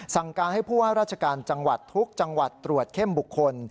สั่งการให้ผู้ว่าราชการจังหวัดทุกจังหวัดตรวจเข้มบุคคล